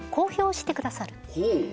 ほう。